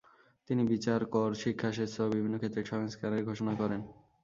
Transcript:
তিনি বিচার, কর, শিক্ষা, সেচসহ বিভিন্ন ক্ষেত্রে সংস্কারের ঘোষণা করেন।